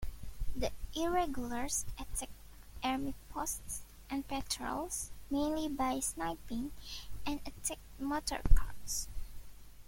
The Irregulars attacked Army posts and patrols, mainly by sniping, and attacked motor cars.